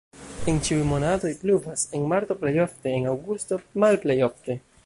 En ĉiuj monatoj pluvas, en marto plej ofte, en aŭgusto malplej ofte.